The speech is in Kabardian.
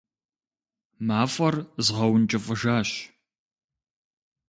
Мафӏэр згъэункӏыфӏыжащ.